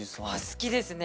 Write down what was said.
好きですね。